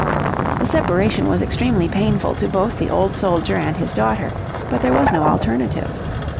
"The separation was extremely painful to both the old soldier and his daughter, but there was no alternative.